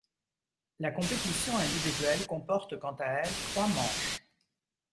La compétition individuelle comporte quant à elle trois manches.